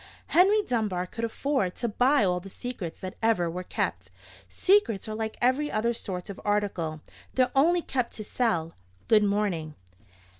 Henry Dunbar could afford to buy all the secrets that ever were kept. Secrets are like every other sort of article: they're only kept to sell. Good morning."